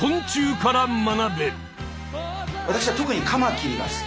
私は特にカマキリが好き。